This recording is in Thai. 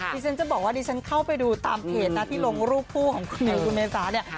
ที่ฉันจะบอกว่าดิฉันเข้าไปดูตามเพจนะที่ลงรูปคู่ของคุณหมิวคุณเมษาเนี่ย